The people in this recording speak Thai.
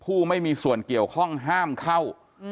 ไม่มีส่วนเกี่ยวข้องห้ามเข้า